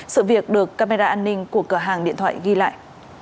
sự việc được camera an ninh của cửa hàng điện thoại ghi lại